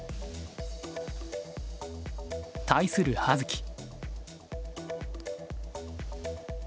対する葉月。